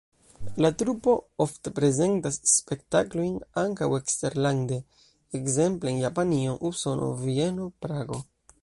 La trupo ofte prezentas spektaklojn ankaŭ eksterlande, ekzemple en Japanio, Usono, Vieno, Prago.